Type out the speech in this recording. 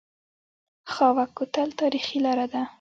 خاوک کوتل تاریخي لاره ده؟